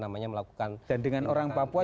namanya melakukan dan dengan orang papua